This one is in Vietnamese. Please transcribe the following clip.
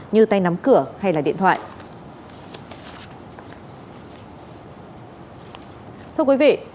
như tay nắm cửa hay điện thoại